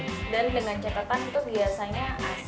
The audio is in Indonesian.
dan dengan catatan itu biasanya ac pasti nyala terus ya